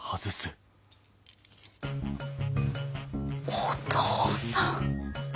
お父さん。